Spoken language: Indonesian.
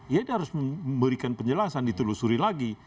ya dia harus memberikan penjelasan ditelusuri lagi